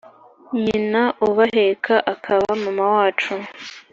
nyina ubaheka akaba mama wacu